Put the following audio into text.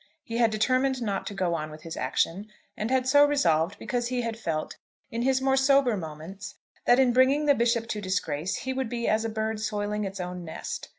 He had determined not to go on with his action, and had so resolved because he had felt, in his more sober moments, that in bringing the Bishop to disgrace, he would be as a bird soiling its own nest.